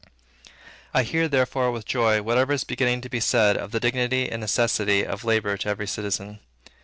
I hear therefore with joy whatever is beginning to be said of the dignity and necessity of labor to every citizen.